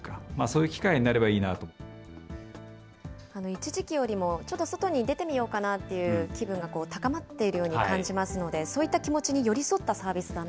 一時期よりもちょっと外に出てみようかなという気分が高まっているように感じますので、そういった気持ちに寄り添ったサービ